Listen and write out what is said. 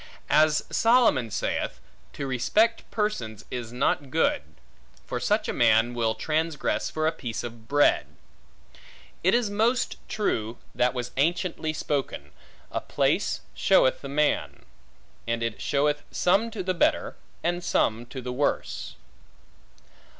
As Solomon saith, To respect persons is not good; for such a man will transgress for a piece of bread. It is most true, that was anciently spoken, A place showeth the man. And it showeth some to the better, and some to the worse.